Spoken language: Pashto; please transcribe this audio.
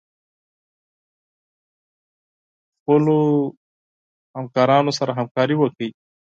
خپلو همکارانو سره همکاري وکړئ.